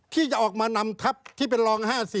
ที่จะออกมานำทัพที่เป็นรอง๕๐